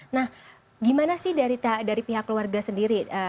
nah gimana sih dari pihak keluarga sendiri